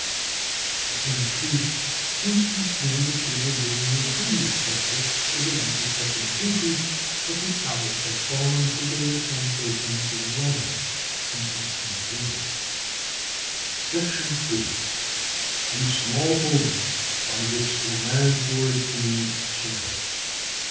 (313) The same truth seems to be seen in the table given in a previous chapter,(314) where the wages have been increased, but the hours have fallen per day from thirteen to eleven since 1840. § 2.—through small holdings, by which the landlord's gain is shared.